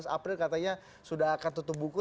tujuh belas april katanya sudah akan tutup buku